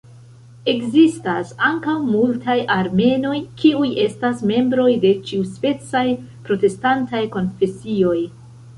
Ekzistas ankaŭ multaj armenoj kiuj estas membroj de ĉiuspecaj protestantaj konfesioj.